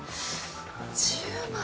１０万。